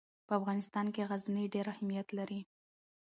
په افغانستان کې غزني ډېر اهمیت لري.